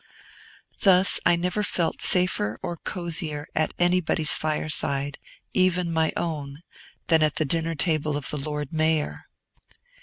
Thus I never felt safer or cosier at anybody's fireside, even my own, than at the dinner table of the Lord Mayor.